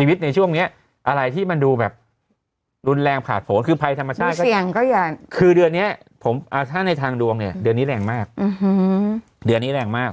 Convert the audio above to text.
ชีวิตในช่วงนี้อะไรที่มันดูแบบรุนแรงผ่าโผล่คือภัยธรรมชาติคือเดือนนี้ถ้าในทางดวงเดือนนี้แรงมาก